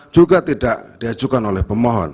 juga tidak diajukan oleh pemohon